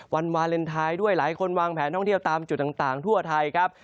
วันวาเลนไทยด้วยหลายคนวางแผนท่องเที่ยวตามจุดต่างทั่วไทยครับ